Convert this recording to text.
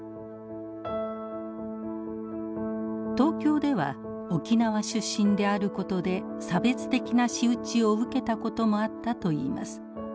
東京では沖縄出身であることで差別的な仕打ちを受けたこともあったといいます。